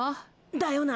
だよな！？